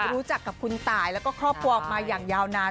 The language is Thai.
รู้จักกับคุณตายแล้วก็ครอบครัวออกมาอย่างยาวนาน